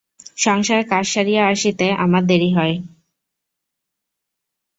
সংসারের কাজ সারিয়া আসিতে আমার দেরি হয়।